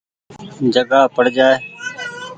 جگآ پڙ جآئي۔